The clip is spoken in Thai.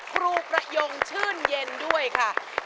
เพื่อพลังสะท้าของคนลูกทุก